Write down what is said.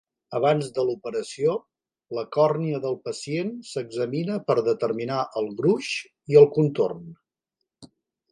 Abans de l'operació, la còrnia del pacient s'examina per determinar el gruix i el contorn.